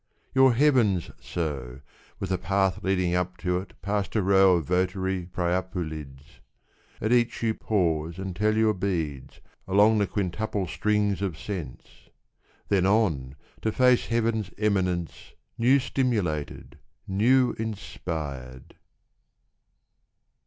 Your heaven's so, With a path leading up to it past a row Of votary Priapulids; At each you pause and tell your beads Along the quintuple strings of sense: Then on, to face Heaven's eminence, New stimulated, new inspired.